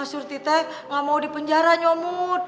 surti t gak mau dipenjara nyomot